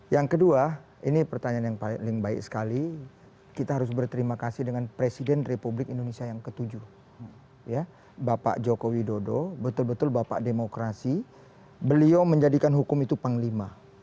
yang kedua ini pertanyaan yang paling baik sekali kita harus berterima kasih dengan presiden republik indonesia yang ke tujuh bapak joko widodo betul betul bapak demokrasi beliau menjadikan hukum itu panglima